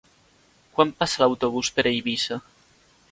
Quan passa l'autobús per Eivissa?